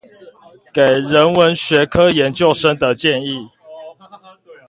給人文學科研究生的建議